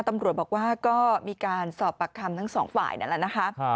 ตำรวจบอกว่าก็มีการสอบปากคำทั้งสองฝ่ายนั่นแหละนะคะ